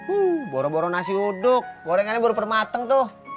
uh boro boro nasi uduk gorengannya baru permateng tuh